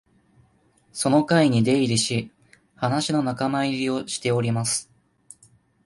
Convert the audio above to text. その会に出入りし、話の仲間入りをしております